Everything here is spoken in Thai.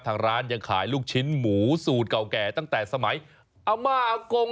ทางร้านยังขายลูกชิ้นหมูสูตรเก่าแก่ตั้งแต่สมัยอาม่าอากง